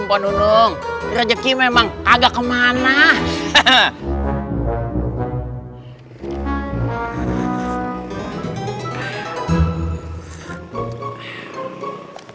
menunggu rezeki memang agak kemana hehehe